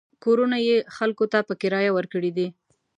کورونه یې خلکو ته په کرایه ورکړي دي.